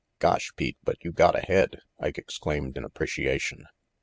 "Gosh, Pete, but you gotta head," Ike exclaimed in appreciation.